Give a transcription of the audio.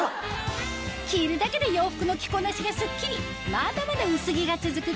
着るだけで洋服の着こなしがスッキリまだまだ薄着が続く